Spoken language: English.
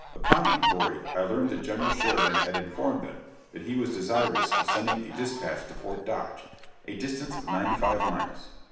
Upon inquiry I learned that General Sheridan had informed them that he was desirous of sending a dispatch to Fort Dodge, a distance of ninety five miles.